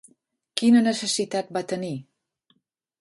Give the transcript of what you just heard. Quina necessitat va tenir?